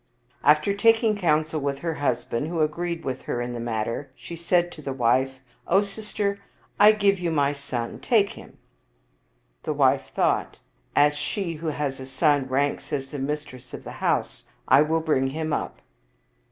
After taking counsel with her husband, who agreed with her in the matter, she said to the wife, " O sister, I give you my son ; take him." The wife thought, " As she who has a son ranks as the mistress of the house, I will bring him up."